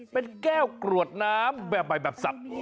เป็นแก้วกรวดน้ำแบบใหม่แบบสับ